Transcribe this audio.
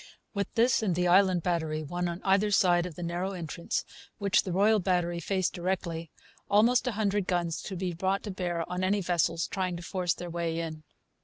With this and the Island Battery, one on either side of the narrow entrance, which the Royal Battery faced directly, almost a hundred guns could be brought to bear on any vessels trying to force their way in.